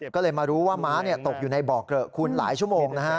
ก็เลยมารู้ว่าม้าตกอยู่ในบ่อเกลอะคุณหลายชั่วโมงนะฮะ